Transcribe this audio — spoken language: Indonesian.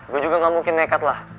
gua juga gak mungkin nekatlah